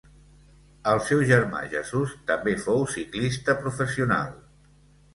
El seu germà Jesús també fou ciclista professional.